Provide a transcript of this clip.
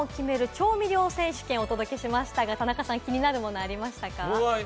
調味料選手権をお届けしましたが田中さん、気になるものありましたか？